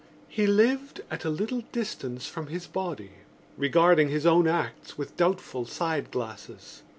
He lived at a little distance from his body, regarding his own acts with doubtful side glances.